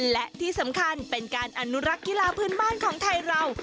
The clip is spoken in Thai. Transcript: และที่สำคัญเป็นการอนุรักษ์กีฬาพื้นบ้านของไทยเรา